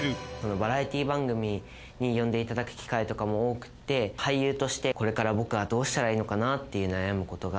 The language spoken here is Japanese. バラエティー番組に呼んでいただく機会とかも多くって、俳優としてこれから僕はどうしたらいいのかなって悩むってことが。